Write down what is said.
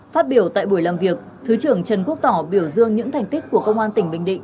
phát biểu tại buổi làm việc thứ trưởng trần quốc tỏ biểu dương những thành tích của công an tỉnh bình định